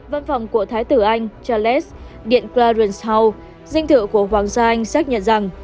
văn phòng của thái tử anh charles điện clarence hall dinh thự của hoàng gia anh xác nhận rằng